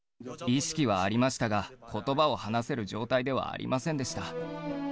意識はありましたが、ことばを話せる状態ではありませんでした。